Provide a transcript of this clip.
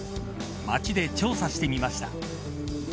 街で調査してみました。